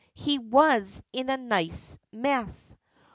He was in a nice mess.